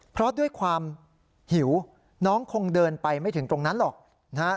เพราะด้วยความหิวน้องคงเดินไปไม่ถึงตรงนั้นหรอกนะฮะ